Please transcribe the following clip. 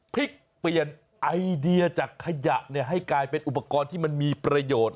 พลิกเปลี่ยนไอเดียจากขยะให้กลายเป็นอุปกรณ์ที่มันมีประโยชน์